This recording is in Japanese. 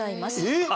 えっ！